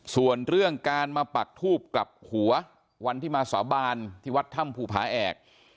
ส่วนเรื่องการมาปักทูบกลับหัววันที่มาสาบานที่วัดถ้ำภูผาแอก